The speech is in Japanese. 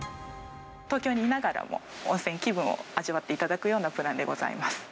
東京にいながらも、温泉気分を味わっていただくようなプランでございます。